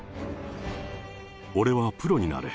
俺はプロになる。